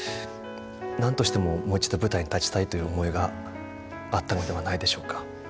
何としてももう一度舞台に立ちたいという思いがあったのではないでしょうか。